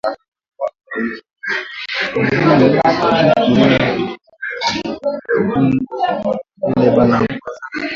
Kama aujuwe ku rima wende ufunde vile bana rimaka